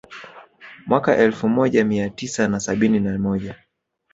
Mwaka elfu moja Mia tisa na sabini na moja